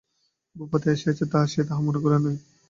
ভূপতি আসিয়াছে সে তাহা মনে করে নাই।